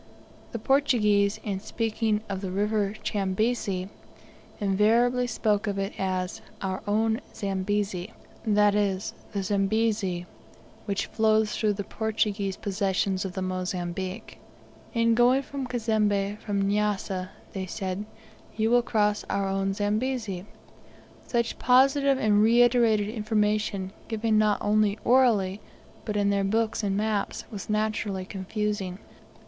The Portuguese, in speaking of the River Chambezi, invariably spoke of it as "our own Zambezi," that is, the Zambezi which flows through the Portuguese possessions of the Mozambique. "In going to Cazembe from Nyassa," said they, "you will cross our own Zambezi." Such positive and reiterated information given not only orally, but in their books and maps was naturally confusing.